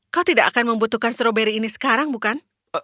kau tidak akan membutuhkan stroberi ini sekarang bukan